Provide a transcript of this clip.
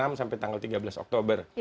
tanggal enam sampai tanggal tiga belas oktober